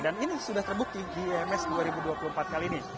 dan ini sudah terbukti di iims dua ribu dua puluh empat kali ini